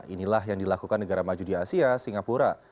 inilah yang dilakukan negara maju di asia singapura